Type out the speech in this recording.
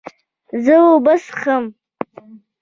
زه اوبه څښم